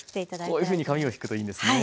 こういうふうに紙を引くといいんですね。